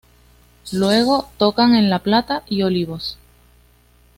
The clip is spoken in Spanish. Luego tocan en La Plata y Olivos.